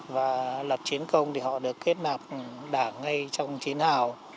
và lập chiến công thì họ được kết nạp đảng ngay trong chiến hào